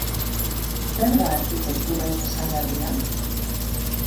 Zer da arkitektura jasangarria?